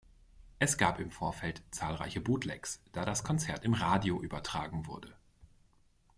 Es gab im Vorfeld zahlreiche Bootlegs, da das Konzert im Radio übertragen wurde.